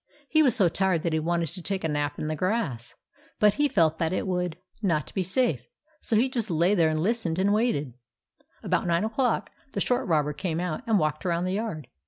He was so tired that he wanted to take a nap in the grass ; but he felt that it would THE ROBBERS 6r not be safe. So he just lay there and lis tened and waited. About nine o'clock, the short robber came out and walked around the yard.